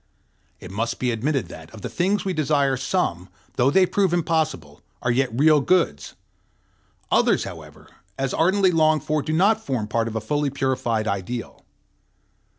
It must be admitted that, of the things we desire, some, though they prove impossible, are yet real goods; others, however, as ardently longed for, do not form part of a fully purified ideal.